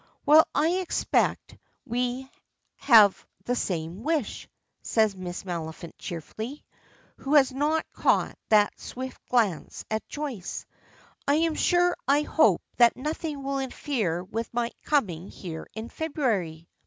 "Well, I expect we all have the same wish," says Miss Maliphant cheerfully, who has not caught that swift glance at Joyce. "I'm sure I hope that nothing will interfere with my coming here in February."